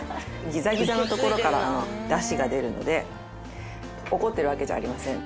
ギザギザのところからダシが出るので怒ってるわけじゃありません。